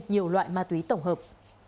nhiều loại ma túy tổng hợp